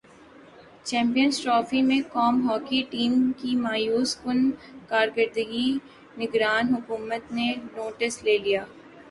champions Trophy میں قومی hockey team کی مایوس کن کارکردگی نگران حکومت نے نوٹس لے لیا